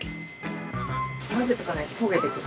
混ぜとかないと焦げてくる。